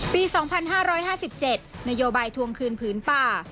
ปี๒๕๕๗นโยบายทวงคืนผืนป่า